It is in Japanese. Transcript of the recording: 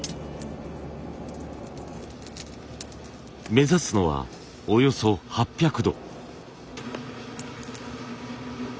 目指すのはおよそ８００度。